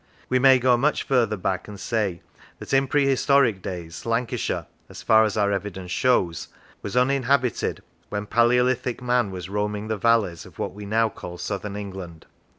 We may go much further back, and say that in pre historic days Lancashire (as far as our evidence shows) was uninhabited when Palaeolithic man was roaming the valleys of what we now call Southern England.